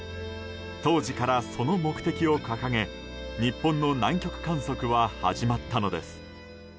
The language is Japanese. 当時からその目的を掲げ日本の南極観測は始まったのです。